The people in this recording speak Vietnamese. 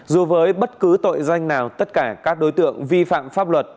dù với bất cứ tội danh nào tất cả các đối tượng vi phạm pháp luật